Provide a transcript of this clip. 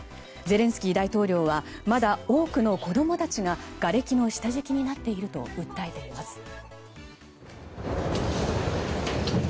ゼレンスキー大統領はまだ多くの子供たちががれきの下敷きになっていると訴えています。